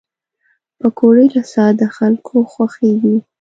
پکورې له ساده خلکو خوښېږي